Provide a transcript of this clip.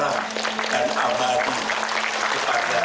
dan abadi kepada almarhumah istri tercinta